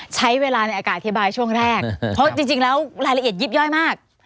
ใช้เวลาในอากาศอธิบายช่วงแรกเพราะจริงแล้วรายละเอียดยิบย่อยมาก